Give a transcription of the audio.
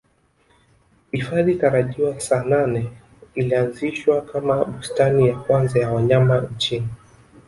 Hifadhi tarajiwa Saanane ilianzishwa kama bustani ya kwanza ya wanyama nchini